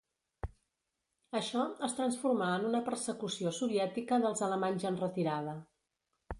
Això es transformà en una persecució soviètica dels alemanys en retirada.